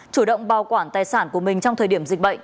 chủ động bảo quản tài sản của mình trong thời điểm dịch bệnh